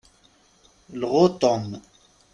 Lɣu Tom.